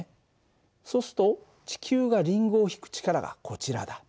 そうすると地球がリンゴを引く力がこちらだ。